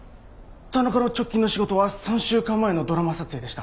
田中の直近の仕事は３週間前のドラマ撮影でした。